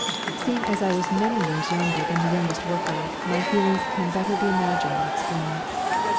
Seeing I was many years younger than the youngest worker, my feelings can better be imagined than explained.